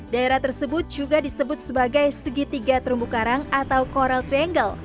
daerah tersebut juga disebut sebagai segitiga terumbu karang atau coral triangle